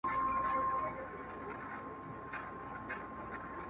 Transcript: پسله گوزه، چار زانو ناسته؟